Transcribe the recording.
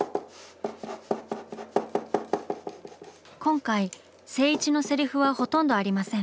今回静一のセリフはほとんどありません。